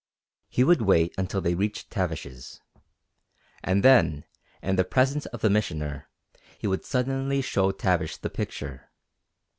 He would wait until they reached Tavish's. And then, in the presence of the Missioner, he would suddenly show Tavish the picture.